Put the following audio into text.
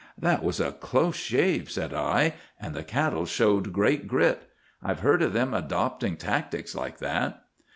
"'That was a close shave,' said I; 'and the cattle showed great grit. I've heard of them adopting tactics like that.